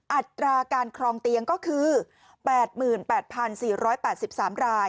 อัตราการครองเตียงก็คือ๘๘๔๘๓ราย